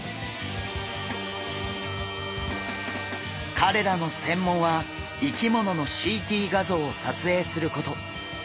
かれらの専門は生き物のＣＴ画像をさつえいすること。